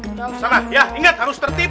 ustazah ya inget harus tertib